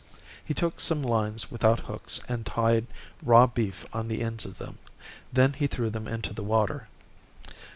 He took some lines without hooks and tied raw beef on the ends of them. Then he threw them into the water.